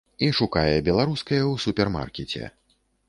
І шукае беларускае ў супермаркеце.